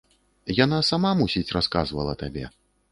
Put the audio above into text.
Яна сама, мусіць, расказвала табе.